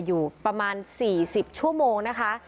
อยู่ประมาณ๔๐ชั่วโมงนะคะ